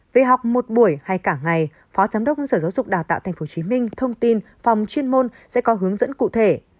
về học một buổi hay cả ngày phó giám đốc sở giáo dục đào tạo tp hcm thông tin phòng chuyên môn sẽ có hướng dẫn cụ thể